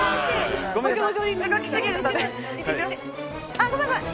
あっごめんごめん！